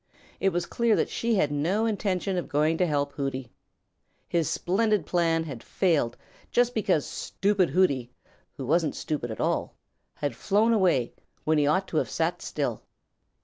It was clear that she had no intention of going to help Hooty. His splendid plan had failed just because stupid Hooty, who wasn't stupid at all, had flown away when he ought to have sat still.